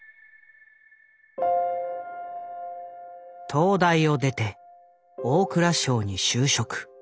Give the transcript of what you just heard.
東大を出て大蔵省に就職。